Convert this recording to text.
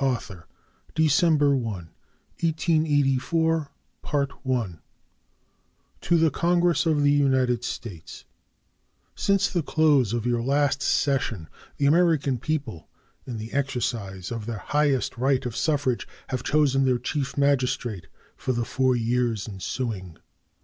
Arthur December 1, 1884 To the Congress of the United States: Since the close of your last session the American people, in the exercise of their highest right of suffrage, have chosen their Chief Magistrate for the four years ensuing.